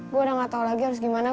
gue udah gak tau lagi harus gimana